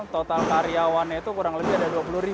total karyawannya itu kurang lebih ada dua puluh